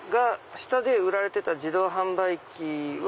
下で売られてた自動販売機は。